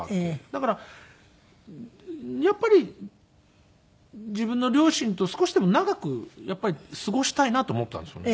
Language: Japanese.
だからやっぱり自分の両親と少しでも長く過ごしたいなと思ったんですよね。